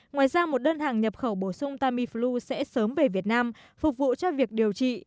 ngoài ra một đơn hàng nhập khẩu bổ sung tamiflu sẽ sớm về việt nam phục vụ cho việc điều trị